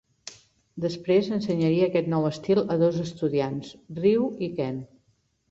Després ensenyaria aquest nou estil a dos estudiants, Ryu i Ken.